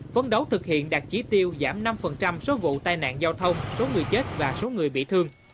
phấn đấu thực hiện đạt chỉ tiêu giảm năm số vụ tai nạn giao thông số người chết và số người bị thương